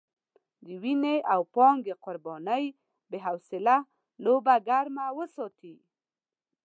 د وينې او پانګې قربانۍ بې حاصله لوبه ګرمه وساتي.